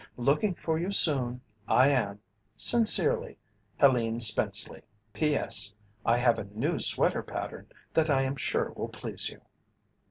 Looking for you soon, I am Sincerely, HELENE SPENCELEY. P.S. I have a new sweater pattern that I am sure will please you.